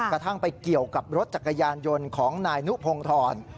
กระทั่งไปเกี่ยวกับรถจักรยานยนต์ของนายนุพงธร